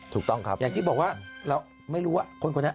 ถูกต้องครับอย่างที่บอกว่าเราไม่รู้ว่าคนนั้น